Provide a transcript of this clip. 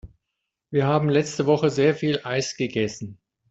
Wir haben letzte Woche sehr viel Eis gegessen.